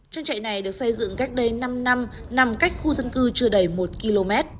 trang trại này được xây dựng cách đây năm năm nằm cách khu dân cư chưa đầy một km